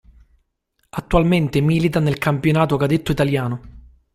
Attualmente milita nel campionato cadetto italiano.